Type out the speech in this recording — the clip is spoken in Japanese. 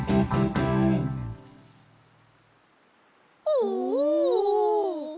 おお！